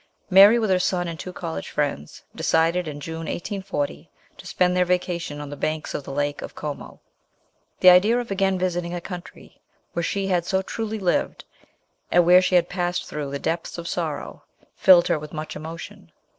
Mary, with her son and two college friends, decided in June 1840 to spend their vacation on the banks of the Lake of Como. The idea of again visiting a country where she had so truly lived, and where she had passed through the depths of sorrow, filled her with much emotion.